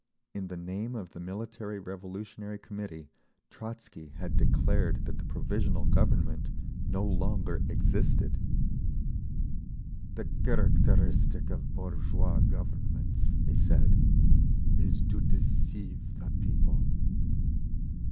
In the name of the Military Revolutionary Committee Trotzky had declared that the Provisional Government no longer existed. "The characteristic of bourgeois governments," he said, "is to deceive the people.